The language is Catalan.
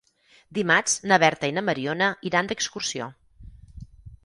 Dimarts na Berta i na Mariona iran d'excursió.